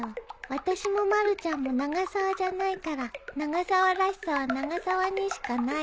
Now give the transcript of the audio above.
私もまるちゃんも永沢じゃないから永沢らしさは永沢にしかないものだから。